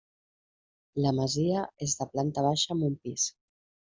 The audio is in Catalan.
La masia és de planta baixa amb un pis.